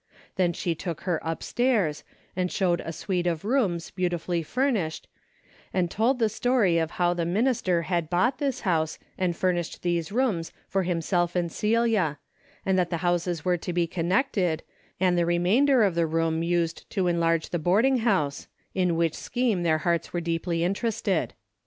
Then she took her up stairs, and showed a suite of rooms beautifully furnished, and told the story of how the min ister had bought this house and furnished these rooms for himself and Celia, and that the houses were to be connected, and the re mainder of the room used to enlarge the boarding house, in which scheme their hearts were deeply interested.